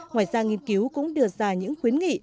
ngoài ra nghiên cứu cũng đưa ra những khuyến nghị